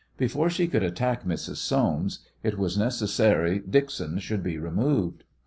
Before she could attack Mrs. Soames it was necessary Dixon should be removed.